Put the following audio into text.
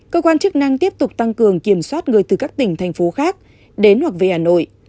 cơ quan chức năng tiếp tục tăng cường kiểm soát người từ các tỉnh thành phố khác đến hoặc về hà nội